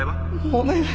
お願い。